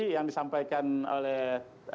yang disampaikan oleh